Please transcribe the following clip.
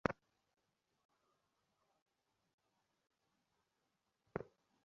তিনি প্রথম-শ্রেণীর ক্রিকেটে বয়োজ্যেষ্ঠ ক্রিকেটার ছিলেন।